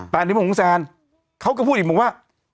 แต่ที่บอกคุณแซนเขาก็พูดอีกบอกว่า